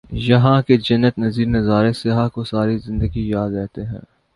یہاں کے جنت نظیر نظارے سیاح کو ساری زندگی یاد رہتے ہیں